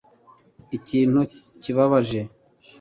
Ikintu kibabaje